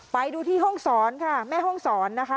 ไปดูที่ห้องศรค่ะแม่ห้องศรนะคะ